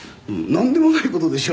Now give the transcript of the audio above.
なんでもない事でしょ？」